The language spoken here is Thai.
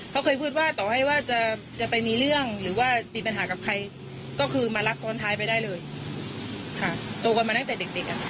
เขาเคยพูดว่าต่อให้ว่าจะไปมีเรื่องหรือว่ามีปัญหากับใครก็คือมารับซ้อนท้ายไปได้เลยค่ะโตกันมาตั้งแต่เด็กเด็กอ่ะ